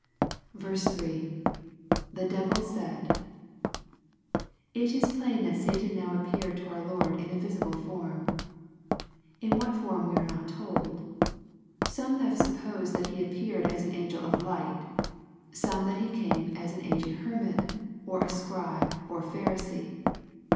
i. — [Ifie devU mid,] It is plain that Satan now appeared to our Lord in a visible fonn. In what form we are not told. Some have suppose3~that he appeared as an angel of Hght; some that he came as an aged hermit, or as a Scribe or Pharisee.